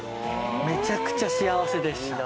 めちゃくちゃ幸せでした。